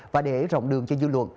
và để rộng đường cho dư luận